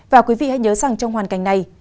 và quý vị hãy nhớ rằng trong hoàn cảnh này